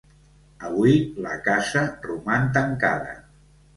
Avui la casa roman tancada.